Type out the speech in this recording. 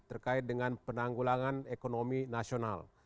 terkait dengan penanggulangan ekonomi nasional